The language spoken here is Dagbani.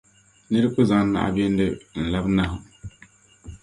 Nira ku zaŋ naɣ’ bindi n-labi nahu.